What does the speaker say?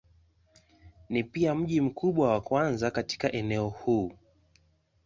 Ni pia mji mkubwa wa kwanza katika eneo huu.